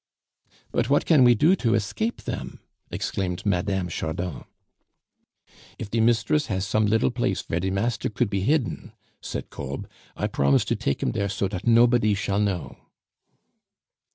"But what can we do to escape them?" exclaimed Mme. Chardon. "If de misdress had some liddle blace vere the master could pe hidden," said Kolb; "I bromise to take him dere so dot nopody shall know."